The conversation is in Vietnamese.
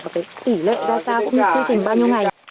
và cái tỷ lệ ra sao cũng như thư trình bao nhiêu ngày